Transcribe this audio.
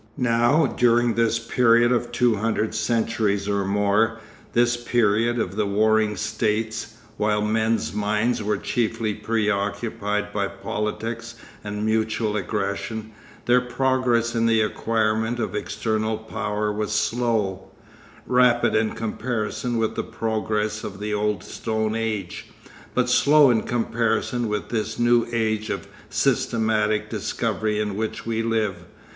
Now during this period of two hundred centuries or more, this period of the warring states, while men's minds were chiefly preoccupied by politics and mutual aggression, their progress in the acquirement of external Power was slow—rapid in comparison with the progress of the old stone age, but slow in comparison with this new age of systematic discovery in which we live.